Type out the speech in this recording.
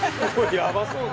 やばそうだ。